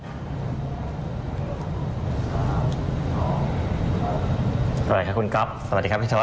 สวัสดีครับคุณก๊อฟสวัสดีครับพี่ชอต